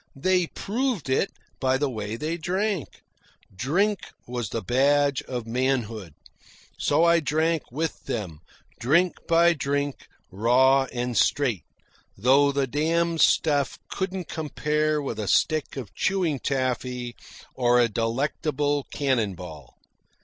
They proved it by the way they drank. Drink was the badge of manhood. So I drank with them, drink by drink, raw and straight, though the damned stuff couldn't compare with a stick of chewing taffy or a delectable "cannon ball."